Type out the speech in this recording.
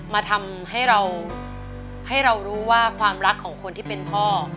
มาทำให้เราให้เรารู้ว่าความรักของคนที่เป็นพ่อ